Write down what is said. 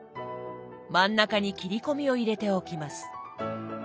真ん中に切り込みを入れておきます。